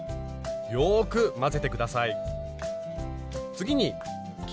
よく混ぜて下さい。